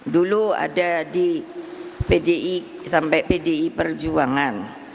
dulu ada di pdi sampai pdi perjuangan